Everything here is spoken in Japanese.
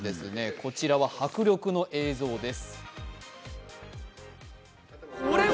こちらは迫力の映像です。